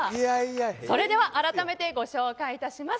それではあらためてご紹介いたします。